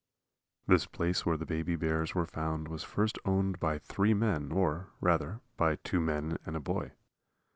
] This place where the baby bears were found was first owned by three men or, rather, by two men and a boy.